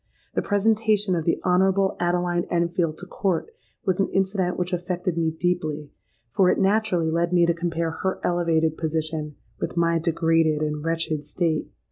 The presentation of the Honourable Adeline Enfield to court was an incident which affected me deeply; for it naturally led me to compare her elevated position with my degraded and wretched state.